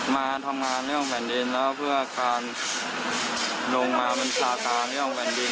มาทำงานเรียกว่าแผ่นดินแล้วเพื่อการลงมาบัญชาการเรียกว่าแผ่นดิน